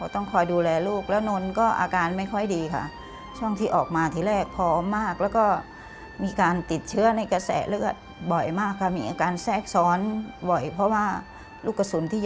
แต่เราไม่อยากไปดูแลลูก